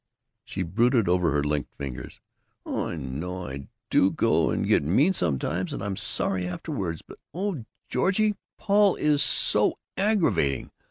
She brooded over her linked fingers. "Oh, I know. I do go and get mean sometimes, and I'm sorry afterwards. But, oh, Georgie, Paul is so aggravating!